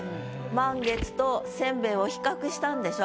満月と煎餅を比較したんでしょ？